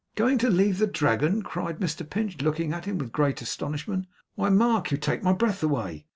'Going to leave the Dragon!' cried Mr Pinch, looking at him with great astonishment. 'Why, Mark, you take my breath away!